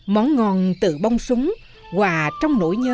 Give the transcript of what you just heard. món ngon từ bông súng quà trong nỗi nhớ